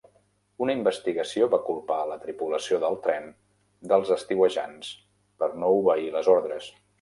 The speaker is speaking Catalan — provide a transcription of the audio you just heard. Una investigació va culpar a la tripulació del tren dels estiuejants per no obeir les ordres.